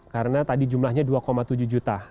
karena tadi jumlahnya dua tujuh juta